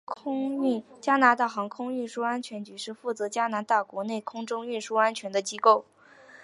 加拿大航空运输安全局是负责加拿大国内空中运输安全的机构。